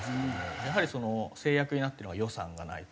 やはり制約になっているのは予算がないと。